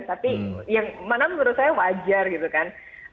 tapi yang mana menurut saya wajar gitu kan